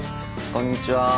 こんにちは。